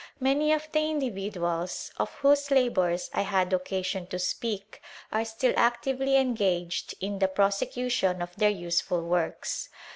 Many o the individuals, of whose labours I had occasion t< speak^ are still actively engaged in the prosecution o their useful works.